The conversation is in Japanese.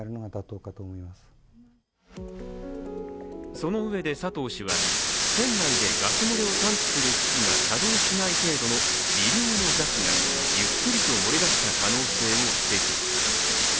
そのうえで佐藤氏は、店内でガス漏れを探知する機器が作動しない程度の微量のガスがゆっくりと漏れ出した可能性を指摘。